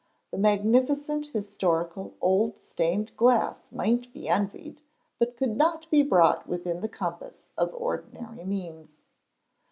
The magnificent historical old stained glass might be envied, but could not be brought within the compass of ordinary means.